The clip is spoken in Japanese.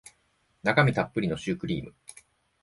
中身たっぷりのシュークリーム